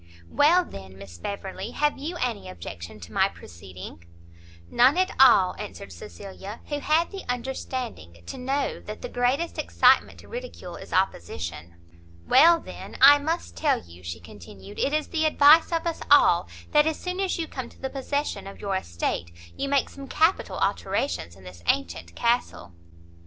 "Well, then, Miss Beverley, have you any objection to my proceeding?" "None at all!" answered Cecilia, who had the understanding to know that the greatest excitement to ridicule is opposition. "Well, then, I must tell you," she continued, "it is the advice of us all, that as soon as you come to the possession of your estate, you make some capital alterations in this antient castle."